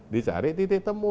dicari titik temu